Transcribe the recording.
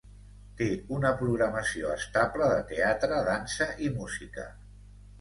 Té una programació estable de teatre, dansa i música.